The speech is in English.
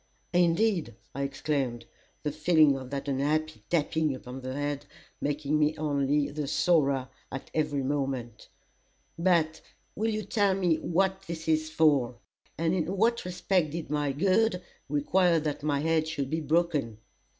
"Indeed!" I exclaimed, the feeling of that unhappy tapping upon the head, making me only the sorer at every moment "but will you tell me what this is for, and in what respect did my good require that my head should be broken?"